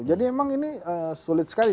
jadi memang ini sulit sekali